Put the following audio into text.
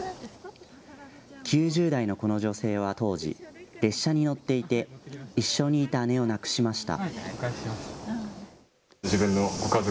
９０代のこの女性は当時、列車に乗っていて一緒にいた姉を亡くしました。